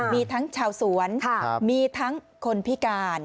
มีทั้งชาวสวนมีทั้งคนพิการ